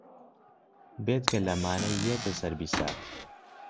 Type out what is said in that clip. بێجگە لەمانە یێتە سەر بیسات